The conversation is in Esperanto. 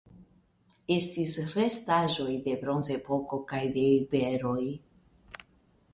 Estis restaĵoj de Bronzepoko kaj de iberoj.